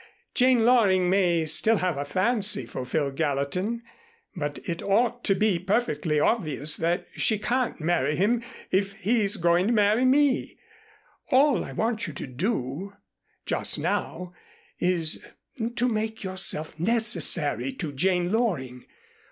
Jane Loring may still have a fancy for Phil Gallatin, but it ought to be perfectly obvious that she can't marry him if he's going to marry me. All I want you to do just now is to make yourself necessary to Jane Loring.